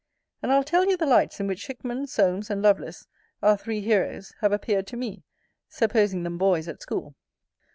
And I'll tell you the lights in which HICKMAN, SOLMES, and LOVELACE, our three heroes, have appeared to me, supposing them boys at school.